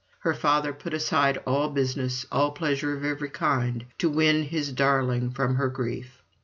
Her father put aside all business, all pleasure of every kind, to win his darling from her grief.